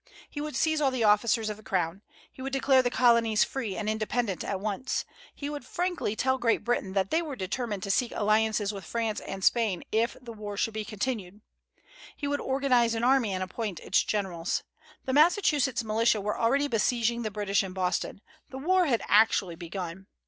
He would seize all the officers of the Crown; he would declare the Colonies free and independent at once; he would frankly tell Great Britain that they were determined to seek alliances with France and Spain if the war should be continued; he would organize an army and appoint its generals. The Massachusetts militia were already besieging the British in Boston; the war had actually begun.